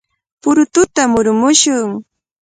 ¡Purututa murumushun!